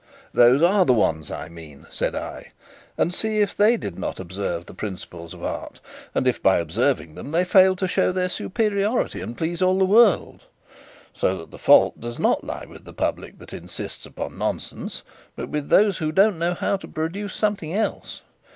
"'Those are the ones I mean,' said I; 'and see if they did not observe the principles of art, and if, by observing them, they failed to show their superiority and please all the world; so that the fault does not lie with the public that insists upon nonsense, but with those who don't know how to produce something else.